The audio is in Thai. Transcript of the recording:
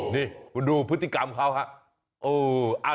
นี่นี่ดูพฤติกรรมเขาค่ะ